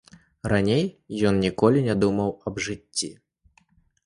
Раней ён ніколі не думаў аб жыцці.